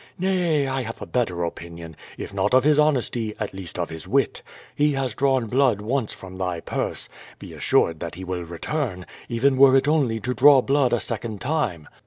'^ay, I have a better opinion, if not of his honesty, at least of his wit. He has drawn blood once from thy purse; be assured that he will return, even were it only to draw blood a second time."